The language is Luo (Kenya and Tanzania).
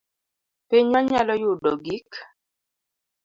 Pinywa nyalo yudo gik